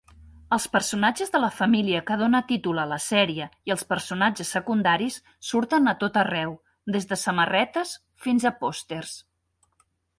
Els personatges de la família que dóna títol a la sèrie i els personatges secundaris surten a tot arreu, des de samarretes fins a pòsters.